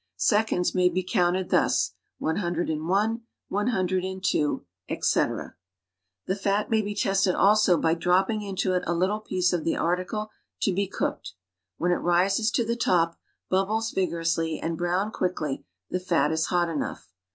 Seconds may be counted thus: one hundred and one, one hundred and two, etc. The fat may he tested also by dropping into it a little piece of the article to be eookcd. When it rises to the top, bubbles vigorousl.v and i)rown quickly, the fat is hot enough.